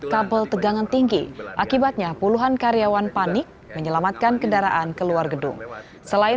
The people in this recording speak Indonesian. kabel tegangan tinggi akibatnya puluhan karyawan panik menyelamatkan kendaraan keluar gedung selain